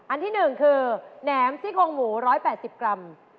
อันที่๑คือแหนมซี่โครงหมู๑๘๐กรัม